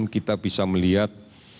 kita bisa melihat